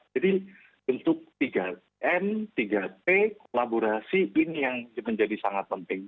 jadi bentuk tiga m tiga t kolaborasi ini yang menjadi sangat penting